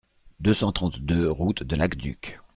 deux cent trente-deux route de l'Acqueduc